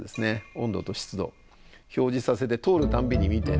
温度と湿度表示させて通るたんびに見て楽しんでます。